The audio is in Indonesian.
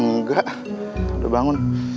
enggak udah bangun